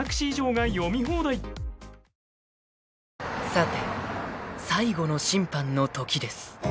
［さて最後の審判の時です］